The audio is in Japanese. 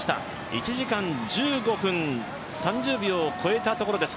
１時間１５分３０秒を超えたところです